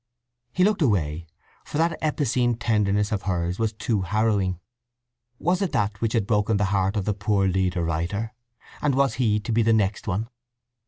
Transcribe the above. He looked away, for that epicene tenderness of hers was too harrowing. Was it that which had broken the heart of the poor leader writer; and was he to be the next one?